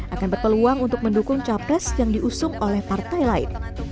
akan berpeluang untuk mendukung capres yang diusung oleh partai lain